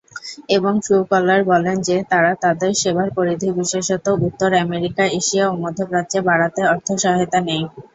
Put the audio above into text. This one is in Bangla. এবং ট্রু কলার বলেন যে, তারা তাদের সেবার পরিধি বিশেষত উত্তর আমেরিকা, এশিয়া ও মধ্যপ্রাচ্যে বাড়াতে অর্থ সহায়তা নেয়।